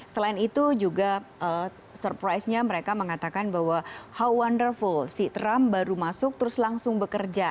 selain itu juga surprise nya mereka mengatakan bahwa how wonderful si trump baru masuk terus langsung bekerja